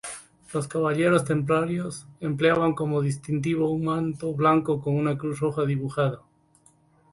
Los Caballeros Templarios empleaban como distintivo un manto blanco con una cruz roja dibujada.